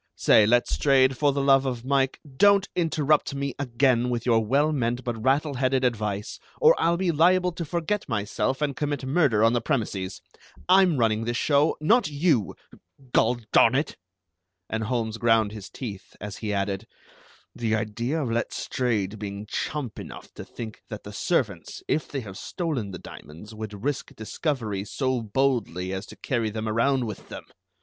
"Say, Letstrayed, for the love of Mike, don't interrupt me again with your well meant but rattle headed advice, or I'll be liable to forget myself and commit murder on the premises. I'm running this show, not you, gol darn it!" And Holmes ground his teeth as he added: "The idea of Letstrayed being chump enough to think that the servants, if they have stolen the diamonds, would risk discovery so boldly as to carry them around with them!